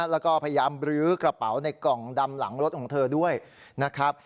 แล้วก็พยายามบรื้อกระเป๋าในกล่องดำหลังรถของเธอด้วยนะครับ